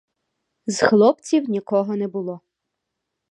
З хлопців нікого не було.